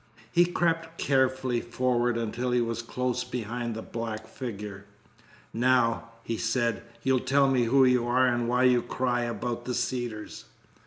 He crept carefully forward until he was close behind the black figure. "Now," he said, "you'll tell me who you are and why you cry about the Cedars."